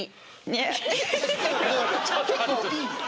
「結構いい」？